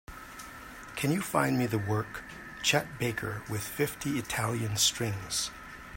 Can you find me the work, Chet Baker with Fifty Italian Strings?